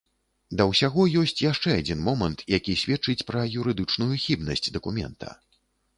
Да ўсяго ёсць яшчэ адзін момант, які сведчыць пра юрыдычную хібнасць дакумента.